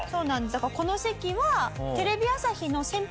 だからこの席は。